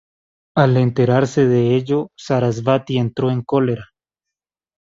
Al enterarse de ello, Saraswati entró en cólera.